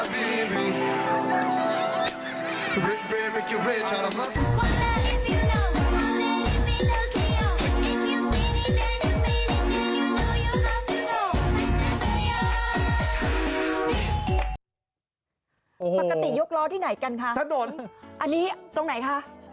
มักติยกล้อที่ไหนกันคะอันนี้ตรงไหนคะถ้าโดน